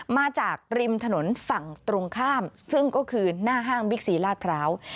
มาจากริมถนนฝั่งตรงข้ามซึ่งก็คือหน้าห้างบิ๊กซีลาดพร้าว